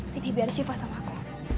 sini biar syifa sama aku